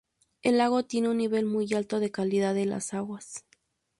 El lago tiene un nivel muy alto de calidad de las aguas.